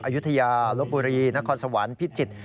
อายุทยาลบบุรีนครสวรรค์พิจิตร